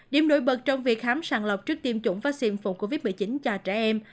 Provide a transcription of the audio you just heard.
điểm nổi bật trong việc khám sàng lọc trước tiêm chủng vaccine phòng covid một mươi chín cho trẻ em